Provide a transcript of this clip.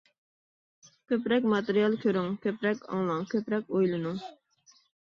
كۆپرەك ماتېرىيال كۆرۈڭ، كۆپرەك ئاڭلاڭ، كۆپرەك ئويلىنىڭ.